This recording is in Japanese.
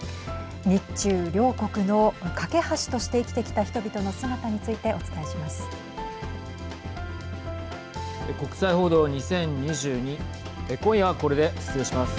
日中両国の懸け橋として生きてきた人々の姿についてお伝えします。